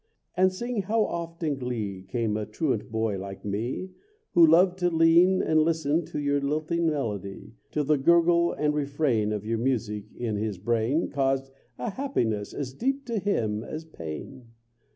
And sing how oft in glee Came a truant boy like me Who loved to lean and listen to your lilting melody, Till the gurgle and refrain Of your music in his brain Caused a happiness as deep to him as pain!